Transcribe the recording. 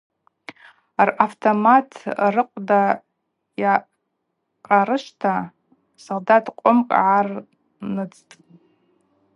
Равтоматква рыхъвда йхъарышвта солдат къомкӏ гӏарныцӏтӏ.